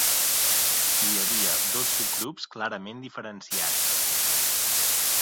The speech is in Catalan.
Hi havia dos subgrups clarament diferenciats.